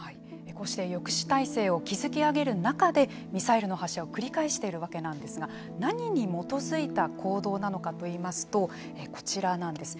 こうして抑止体制を築き上げる中でミサイルの発射を繰り返しているわけなんですが何に基づいた行動なのかといいますとこちらなんです。